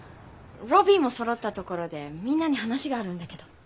ロビーもそろったところでみんなに話があるんだけど。